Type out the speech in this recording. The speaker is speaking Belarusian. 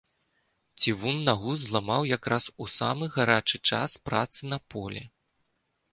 Цівун нагу зламаў якраз у самы гарачы час працы на полі.